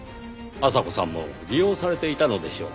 阿佐子さんも利用されていたのでしょう。